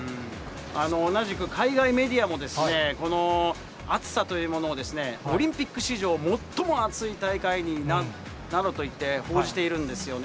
同じく海外メディアも、この暑さというものを、オリンピック史上最も暑い大会になるなどといって報じているんですよね。